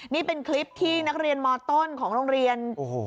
นี่เป็นคลิปที่นักเรียนมต้นของโรงเรียน